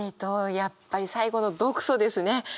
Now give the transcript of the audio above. やっぱり最後の「毒素」ですね。